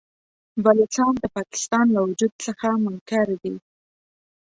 بلوڅان د پاکستان له وجود څخه منکر دي.